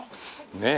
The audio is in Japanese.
ねえ。